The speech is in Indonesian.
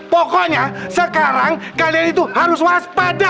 pokoknya sekarang kalian itu harus waspada